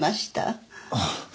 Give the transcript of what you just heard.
ああ。